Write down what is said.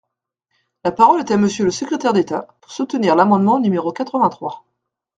La parole est à Monsieur le secrétaire d’État, pour soutenir l’amendement numéro quatre-vingt-trois.